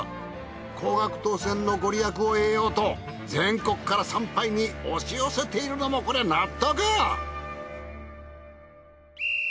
高額当選のご利益を得ようと全国から参拝に押し寄せているのもこれは納得。